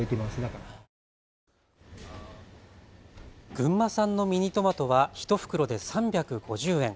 群馬産のミニトマトは１袋で３５０円。